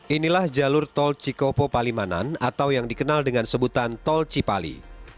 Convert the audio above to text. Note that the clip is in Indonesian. inilah jalur tol cikopo palimanan atau yang dikenal dengan sebutan tol cipali